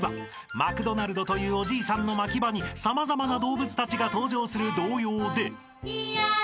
［マクドナルドというおじいさんの牧場に様々な動物たちが登場する童謡で］